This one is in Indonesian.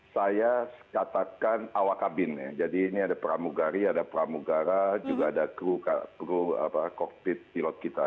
saya selalu pakai saya katakan awak kabin jadi ini ada pramugari ada pramugara juga ada kru kokpit pilot kita